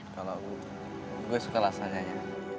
kalo gue gue suka rasanya ya